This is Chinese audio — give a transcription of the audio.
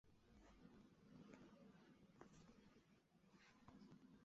青岛海校源自于奉系东北海军。